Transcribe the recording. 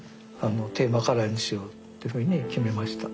テーマカラーにしようって決めました。